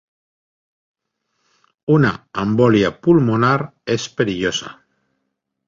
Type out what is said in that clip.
Una embòlia pulmonar és perillosa.